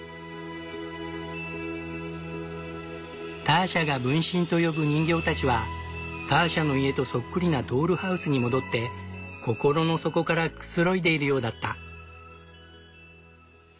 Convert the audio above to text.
ターシャが分身と呼ぶ人形たちはターシャの家とそっくりなドールハウスに戻って心の底からくつろいでいるようだった。